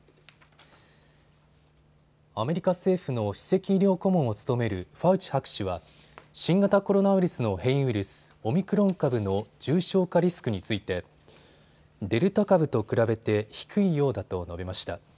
アメリカ政府の首席医療顧問を務めるファウチ博士は新型コロナウイルスの変異ウイルス、オミクロン株の重症化リスクについてデルタ株と比べて低いようだと述べました。